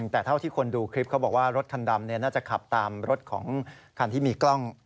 แต่เท่าที่คนดูคลิปเขาบอกว่ารถคันดำน่าจะขับตามรถของคันที่มีกล้อง